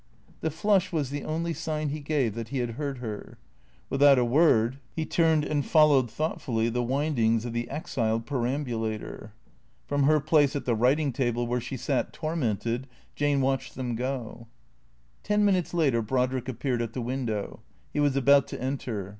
The flush was the only sign he gave that he had heard her. Without a word he turned and followed, thoughtfully, the wind ings of the exiled perambulator. From her place at the writing table where she sat tormented, Jane watched them go. Ten minutes later Brodrick appeared at the window. He was about to enter.